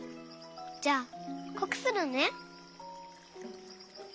じゃあこくするね！